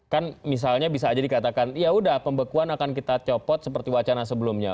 kan misalnya bisa aja dikatakan ya udah pembekuan akan kita copot seperti wacana sebelumnya